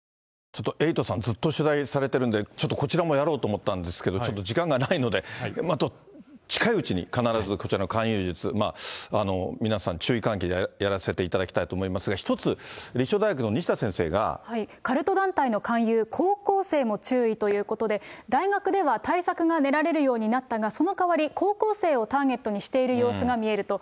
ちょっと、エイトさん、ずっと取材されてるんで、ちょっとこちらもやろうと思ったんですけど、ちょっと時間がないので、近いうちに必ず、こちらの勧誘術、皆さん、注意喚起でやらせていただきたいと思いますが、一つ、カルト団体の勧誘、高校生も注意ということで、大学では対策が練られるようになったが、そのかわり、高校生をターゲットにしている様子が見えると。